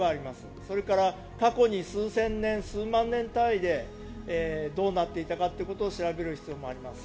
それから過去に数千年、数万年単位でどうなっていたかということを調べる必要もあります。